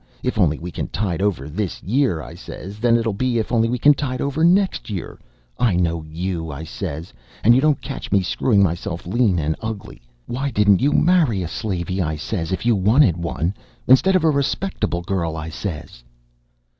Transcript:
'If only we can tide over this year,' I says; 'then it'll be, if only we can tide over next year. I know you,' I says. 'And you don't catch me screwing myself lean and ugly. Why didn't you marry a slavey?' I says, 'if you wanted one instead of a respectable girl,' I says."